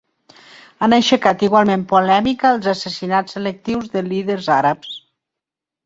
Han aixecat igualment polèmica els assassinats selectius de líders àrabs.